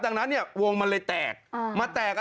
ดังนั้นเนี่ยวงมันเลยแตก